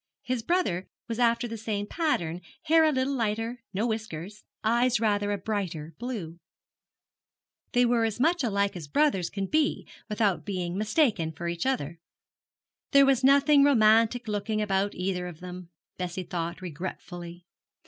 His brother was after the same pattern, hair a little lighter, no whiskers, eyes rather a brighter blue. They were as much alike as brothers can be without being mistaken for each other. There was nothing romantic looking about either of them, Bessie thought, regretfully.